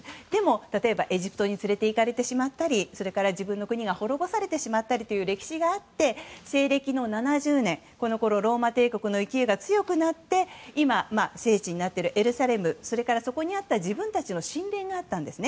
例えばエジプトに連れていかれてしまったり自分の国が滅ぼされてしまったりという歴史があって、西暦７０年このころ、ローマ帝国の勢いが強くなって今、聖地になっているエルサレム、それからそこにあった自分たちの神殿があったんですね。